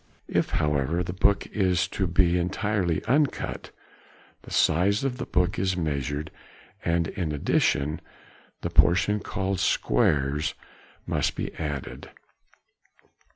If, however, the book is to |57| be entirely uncut, the size of the book is measured, and in addition the portion called squares must be added.